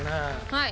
はい。